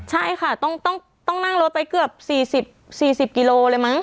ใช่ค่ะต้องต้องต้องนั่งรถไปเกือบสี่สิบสี่สิบกิโลเลยมั้ง